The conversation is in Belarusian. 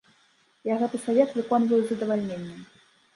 Я гэты савет выконваю з задавальненнем.